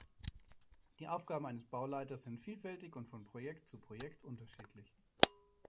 Die Aufgaben eines Bauleiters sind vielfältig und von Projekt zu Projekt unterschiedlich.